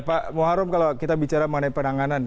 pak muharrem kalau kita bicara mengenai penanganan